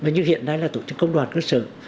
như hiện nay là tổ chức công đoàn cơ sở